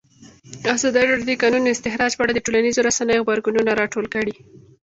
ازادي راډیو د د کانونو استخراج په اړه د ټولنیزو رسنیو غبرګونونه راټول کړي.